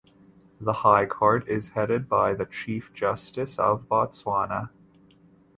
The High Court is headed by the Chief Justice of Botswana.